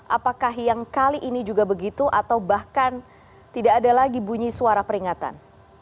apakah yang kali ini juga begitu atau bahkan tidak ada lagi bunyi suara peringatan